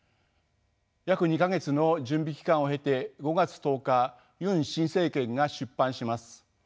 約２か月の準備期間を経て５月１０日ユン新政権が出帆します。